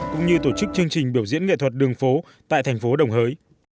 cũng như tổ chức chương trình biểu diễn nghệ thuật đường phố tại thành phố đồng hới